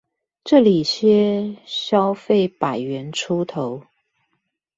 這裡些消費百元出頭